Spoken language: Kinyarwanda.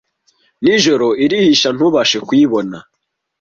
nijoro irihisha ntubashe kuyibona